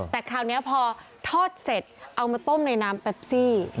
แต่คราวนี้พอทอดเสร็จเอามาต้มในน้ำแปปซี่